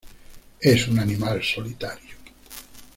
Es un animal solitario.